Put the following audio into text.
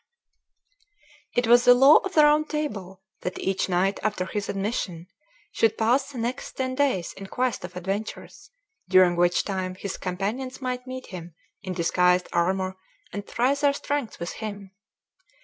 It was the law of the Round Table that each knight after his admission should pass the next ten days in quest of adventures, during which time his companions might meet him in disguised armor and try their strength with him.